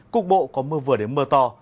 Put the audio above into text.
cục bộ có mưa vừa đến mưa to